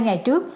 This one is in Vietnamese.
hai ngày trước